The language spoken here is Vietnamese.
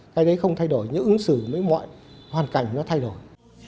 cái đấy không thay đổi những ứng xử với mọi hoàn cảnh nó thay đổi